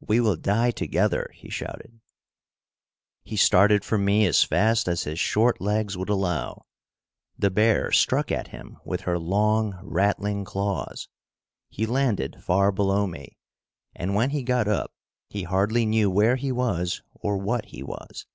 We will die together!" he shouted. He started for me as fast as his short legs would allow. The bear struck at him with her long, rattling claws. He landed far below me, and when he got up he hardly knew where he was or what he was.